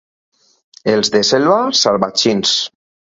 Els de Selva, salvatgins.